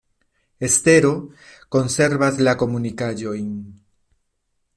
Estero konservas la komunikaĵojn.